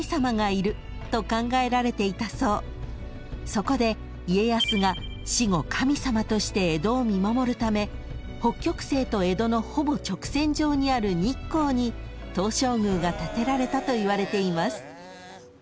［そこで家康が死後神様として江戸を見守るため北極星と江戸のほぼ直線上にある日光に東照宮が建てられたといわれています］